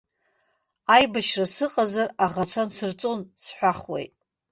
Аибашьра сыҟазар аӷацәа нсырҵәон сҳәахуеит.